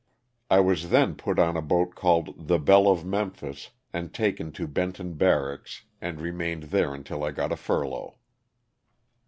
I was then put on a boat called the *^Belle of Memphis'' and taken to Benton Barracks and remained there until I got a furlough.